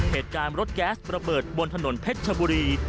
เหตุการณ์รถแก๊สระเบิดบนถนนเพชรชบุรี